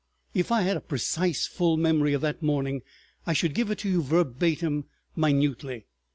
If I had a precise full memory of that morning I should give it you, verbatim, minutely.